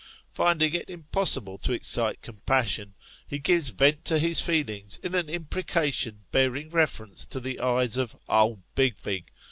Finding it impossible to excite compassion, he gives vent to his feelings in an imprecation bearing reference to the eyes of " old big vig!"